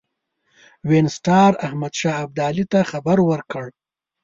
وینسیټار احمدشاه ابدالي ته خبر ورکړ.